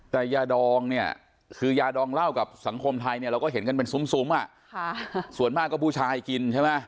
แต่ยาดองเนี่ยคือยาดองเหล้ากับสังคมไทยเนี่ยเราก็เห็นกันเป็นซุ้มส่วนมากก็ผู้ชายกินใช่ไหม